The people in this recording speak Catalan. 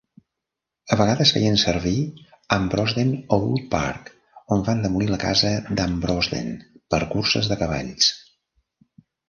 A vegades feien servir Ambrosden Old Park, on van demolir la casa d'Ambrosden, per curses de cavalls.